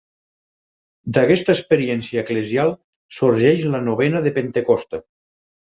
D'aquesta experiència eclesial sorgeix la novena de Pentecosta.